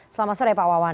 selamat sore pak wawan